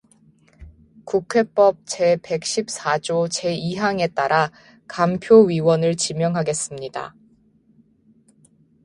국회법 제백십사조 제이항에 따라 감표위원을 지명하겠습니다.